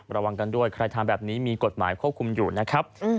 ระวังกันด้วยใครทำแบบนี้มีกฎหมายควบคุมอยู่นะครับ